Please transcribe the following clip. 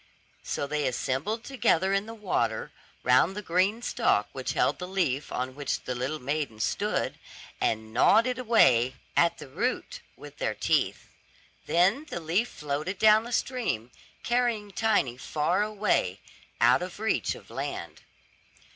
so they assembled together in the water, round the green stalk which held the leaf on which the little maiden stood, and gnawed it away at the root with their teeth. Then the leaf floated down the stream, carrying Tiny far away out of reach of land.